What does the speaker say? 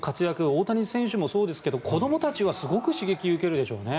大谷選手もそうですけど子どもたちはすごい刺激を受けるでしょうね。